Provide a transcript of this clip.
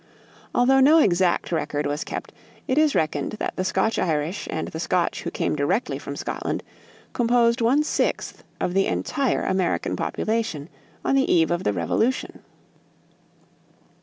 Although no exact record was kept, it is reckoned that the Scotch Irish and the Scotch who came directly from Scotland, composed one sixth of the entire American population on the eve of the Revolution.